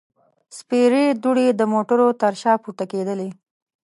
سپېرې دوړې د موټرو تر شا پورته کېدلې.